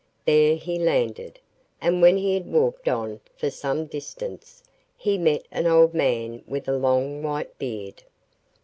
There he landed, and when he had walked on for some distance he met an old man with a long white beard.